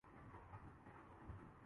اضافی مقدار بھی شامل کی جاتی